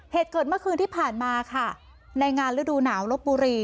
เหตุเกิดเมื่อคืนที่ผ่านมาค่ะในงานฤดูหนาวลบบุรี